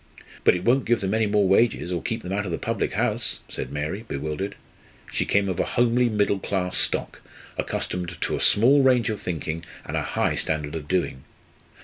"But it won't give them more wages or keep them out of the public house," said Mary, bewildered. She came of a homely middle class stock, accustomed to a small range of thinking, and a high standard of doing.